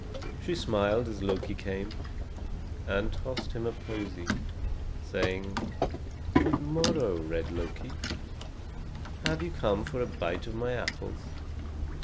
She smiled as Loki came, and tossed him a posy, saying: "Good morrow, red Loki. Have you come for a bite of my apples?